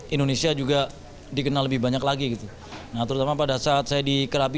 indonesia juga dikenal lebih banyak lagi gitu nah terutama pada saat saya di kerabi